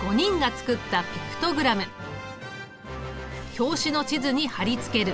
表紙の地図に貼り付ける。